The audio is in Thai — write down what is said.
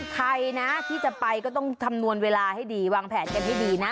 ใครนะที่จะไปก็ต้องคำนวณเวลาให้ดีวางแผนกันให้ดีนะ